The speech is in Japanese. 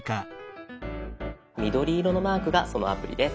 緑色のマークがそのアプリです。